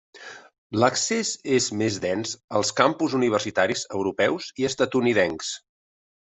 L'accés és més dens als campus universitaris europeus i estatunidencs.